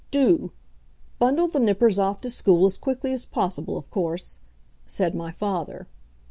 "Do! Bundle the nippers off to school as quickly as possible, of course," said my father.